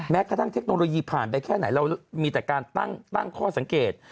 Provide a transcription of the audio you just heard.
แม้กระทั่งเทคโนโลยีผ่านไปแค่ไหนเรามีแต่การตั้งข้อสังเกต